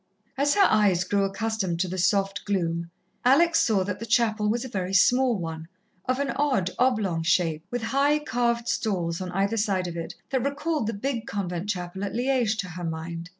As her eyes grew accustomed to the soft gloom, Alex saw that the chapel was a very small one, of an odd oblong shape, with high, carved stalls on either side of it that recalled the big convent chapel at Liège to her mind.